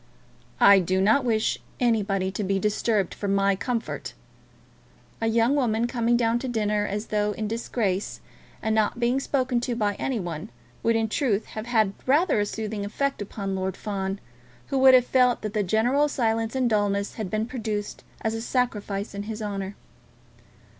"I do not wish anybody to be disturbed for my comfort." A young woman coming down to dinner as though in disgrace, and not being spoken to by any one, would, in truth, have had rather a soothing effect upon Lord Fawn, who would have felt that the general silence and dulness had been produced as a sacrifice in his honour.